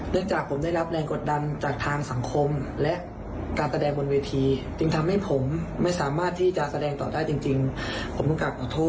เนื่องจากผมได้รับแรงกดดันจากทางสังคมและการแสดงบนเวทีจึงทำให้ผมไม่สามารถที่จะแสดงต่อได้จริง